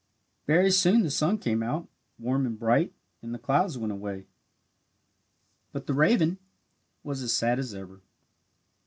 Very soon the sun came out warm and bright, and the clouds went away. But the raven was as sad as ever.